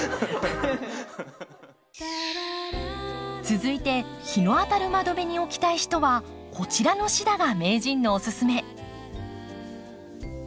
続いて日の当たる窓辺に置きたい人はこちらのシダが名人のおすすめ。